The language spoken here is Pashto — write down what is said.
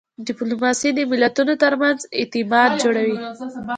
ډیپلوماسي د ملتونو ترمنځ اعتماد جوړوي.